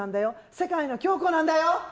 世界の京子なんだよ。